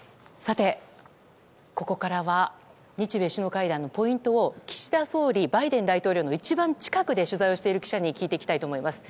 ここからは日米首脳会談のポイントを岸田総理、バイデン大統領の一番近くで取材している記者に聞いていきたいと思います。